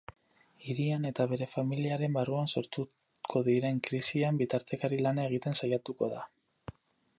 Hirian eta bere familiaren barruan sortuko diren krisian bitartekari lana egiten saiatuko da.